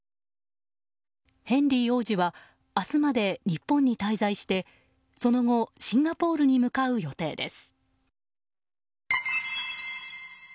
ヘンリー王子は明日まで日本に滞在してその後シンガポールに向かう予定です。